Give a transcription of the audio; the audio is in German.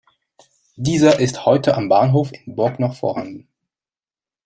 Dieser ist heute am Bahnhof in Burg noch vorhanden.